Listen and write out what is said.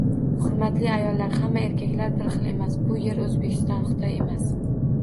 Hurmatli ayollar, hamma erkaklar bir xil emas! Bu yer O'zbekiston, Xitoy emas...